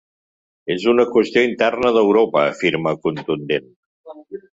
És una qüestió interna d’Europa, afirma, contundent.